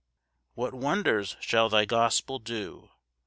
2 What wonders shall thy gospel do!